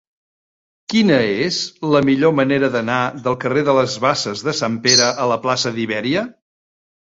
Quina és la millor manera d'anar del carrer de les Basses de Sant Pere a la plaça d'Ibèria?